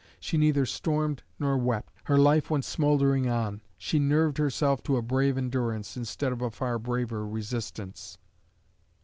She neither stormed nor wept; her life went smoldering on; she nerved herself to a brave endurance, instead of a far braver resistance.